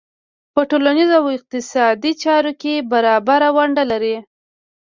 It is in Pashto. په ټولنیزو او اقتصادي چارو کې برابره ونډه لري.